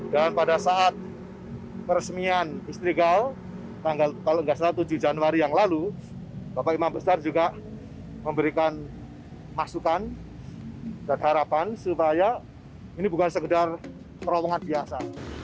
dan pada saat peresmian istiqlal tanggal kalau enggak salah tujuh januari yang lalu bapak imam besar juga memberikan masukan dan harapan supaya ini bukan sekedar terowongan biasa